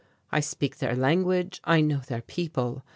I speak their language. I know their people.